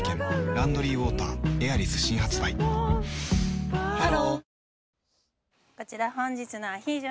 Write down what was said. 「ランドリーウォーターエアリス」新発売ハローおお！